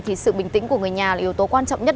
thì sự bình tĩnh của người nhà là yếu tố quan trọng nhất